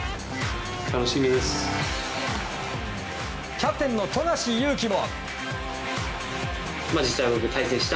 キャプテンの富樫勇樹も。